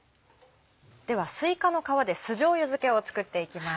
ではすいかの皮で酢じょうゆ漬けを作っていきます。